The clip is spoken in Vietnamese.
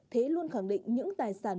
thế luôn khẳng định những tài sản